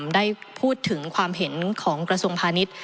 ได้พูดถึงความเห็นของกระทรวงพาณิชย์